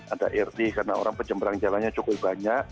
anda erti karena orang pencembarang jalannya cukup banyak